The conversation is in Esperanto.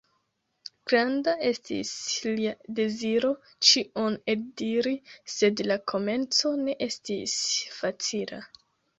Granda estis lia deziro ĉion eldiri, sed la komenco ne estis facila!